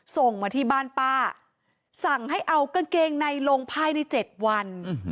ส่งมาที่บ้านป้าสั่งให้เอากางเกงในลงภายใน๗วัน